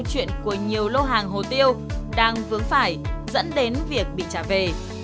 câu chuyện của nhiều lô hàng hồ tiêu đang vướng phải dẫn đến việc bị trả về